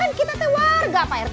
kan kita teh warga pak rt